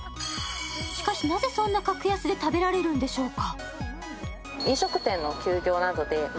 しかしなぜそんな格安で食べられるんでしょうか。